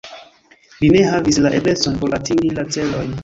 Li ne havis la eblecon por atingi la celojn.